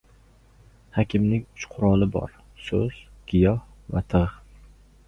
Hakimning uch quroli bor: so‘z, giyoh va tig‘.